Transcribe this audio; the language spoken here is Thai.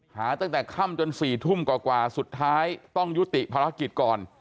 ตั้งแต่ค่ำจน๔ทุ่มกว่าสุดท้ายต้องยุติภารกิจก่อน